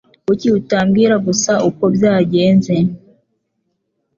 Kuki utabwira gusa uko byagenze?